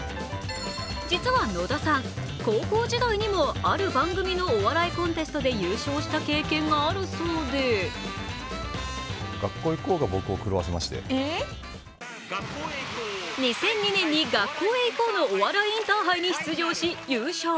実は野田さん、高校時代にもある番組のお笑いコンテストで優勝した経験があるそうで２００２年に「学校へ行こう！」のお笑いインターハイに出場し、優勝。